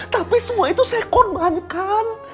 tapi semua itu saya korbankan